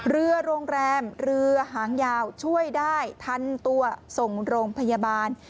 เรือโรงแรมเรือหางยาวช่วยได้ทันตัวส่งโรงพยาบาล